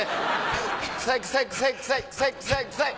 臭い臭い臭い臭い臭い臭い臭い。